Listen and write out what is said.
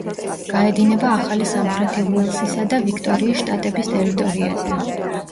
გაედინება ახალი სამხრეთი უელსისა და ვიქტორიის შტატების ტერიტორიაზე.